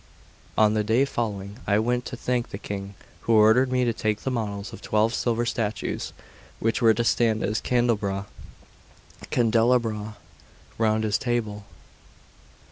On the day following I went to thank the King, who ordered me to make the models of twelve silver statues, which were to stand as candelabra round his table.